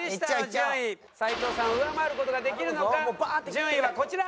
順位はこちら。